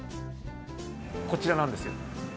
こちらなんですよ。